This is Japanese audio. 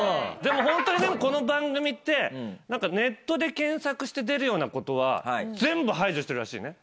ホントにでもこの番組ってネットで検索して出るようなことは全部排除してるらしいね。